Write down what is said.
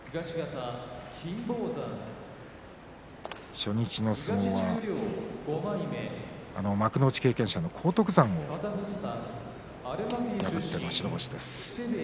初日の相撲は幕内経験者の荒篤山を破って白星です。